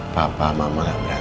papa mama gak berantem